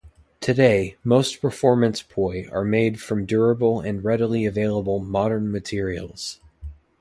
Today, most performance poi are made from durable and readily available modern materials.